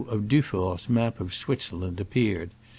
of Dufour's Map of Switzerland appeared.